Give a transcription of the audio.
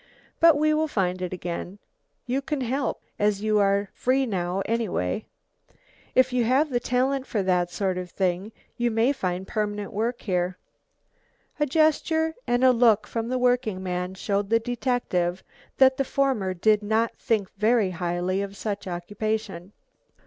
"But we will find it again. You can help, as you are free now anyway. If you have the talent for that sort of thing, you may find permanent work here." A gesture and a look from the workingman showed the detective that the former did not think very highly of such occupation.